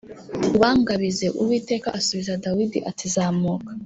ubangabize Uwiteka asubiza Dawidi ati Zamuka